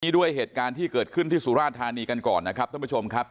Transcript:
ด้วยเหตุการณ์ที่เกิดขึ้นที่สุราธานีกันก่อนนะครับท่านผู้ชมครับ